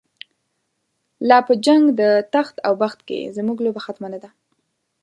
لاپه جنګ دتخت اوبخت کی، زموږ لوبه ختمه نه ده